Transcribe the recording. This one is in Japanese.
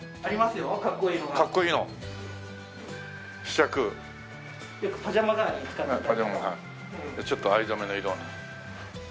じゃあちょっと藍染めの色に。